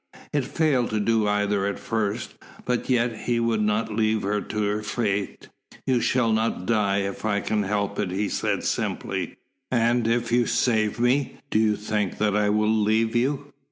It failed to do either at first, but yet he would not leave her to her fate. "You shall not die if I can help it," he said simply. "And if you save me, do you think that I will leave you?"